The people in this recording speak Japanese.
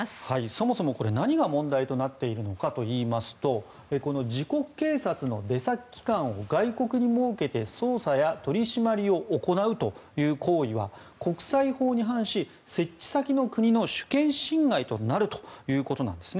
そもそも何が問題となっているかというと自国警察の出先機関を外国に設けて捜査や取り締まりを行うという行為は国際法に反し設置先の国の主権侵害となるということなんです。